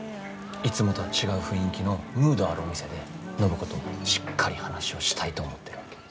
いつもとは違う雰囲気のムードあるお店で暢子としっかり話をしたいと思ってるわけ。